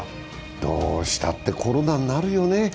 どうしたってコロナになるよね。